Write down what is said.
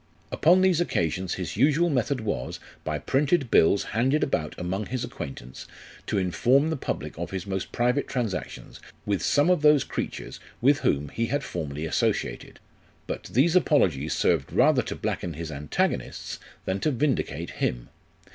Upon these occasions his usual method was, by printed bills handed about among his acquaintance, to inform the public of his most private transac tions with some of those creatures with whom he had formerly associated ; VOL. rv. p 66 LIFE OF RICHARD NASH. but these apologies served rather to blacken his antagonists than to vindicate him.